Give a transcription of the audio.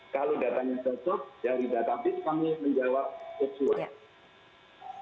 kalau datanya cocok dari data duktuasilus kami menjawab sesuai